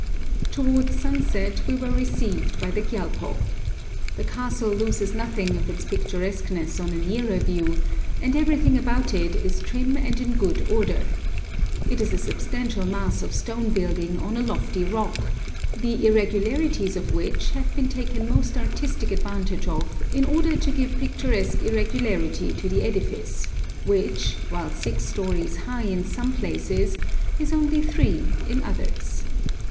Towards sunset we were received by the Gyalpo. The castle loses nothing of its picturesqueness on a nearer view, and everything about it is trim and in good order. It is a substantial mass of stone building on a lofty rock, the irregularities of which have been taken most artistic advantage of in order to give picturesque irregularity to the edifice, which, while six storeys high in some places, is only three in others.